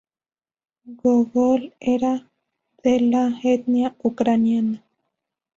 Gogol era de la etnia ucraniana.